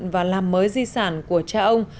và làm mới di sản của cha ông